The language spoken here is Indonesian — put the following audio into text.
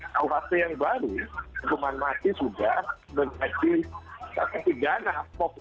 nah waktu yang baru hukuman mati sudah menjadi tiga anak pokok